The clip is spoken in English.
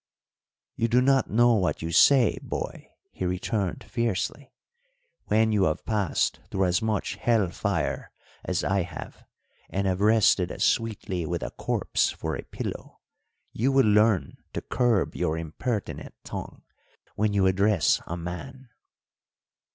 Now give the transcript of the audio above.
"You do not know what you say, boy!" he returned fiercely. "When you have passed through as much hell fire as I have and have rested as sweetly with a corpse for a pillow, you will learn to curb your impertinent tongue when you address a man."